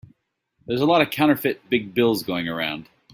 There's a lot of counterfeit big bills going around.